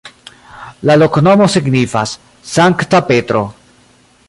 La loknomo signifas: Sankta Petro.